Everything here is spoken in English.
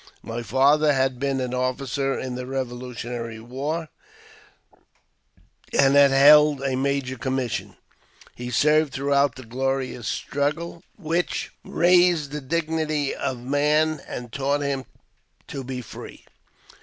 My father had been an officer in the Revolutionary War, and had held a major's commission. He served throughout that glorious struggle which *« Eaised the dignity of man , And taught him to be free."